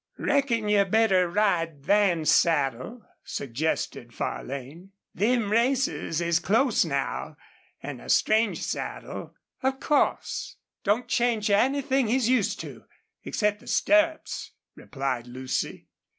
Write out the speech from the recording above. "Reckon you'd better ride Van's saddle," suggested Farlane. "Them races is close now, an' a strange saddle " "Of course. Don't change anything he's used to, except the stirrups," replied Lucy.